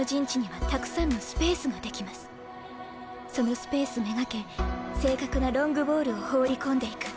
そのスペース目がけ正確なロングボールを放り込んでいく。